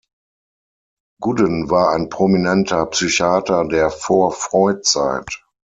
Gudden war ein prominenter Psychiater der Vor-Freud-Zeit.